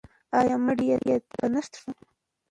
آیا مړی یې په درنښت ښخ سو؟